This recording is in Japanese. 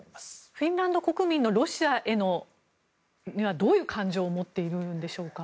フィンランド国民はロシアにはどういう感情を持っているんでしょうか。